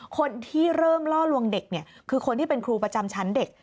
คนที่เริ่มล่อลวงเด็กเนี่ยคือคนที่เป็นครูประจำชั้นเด็ก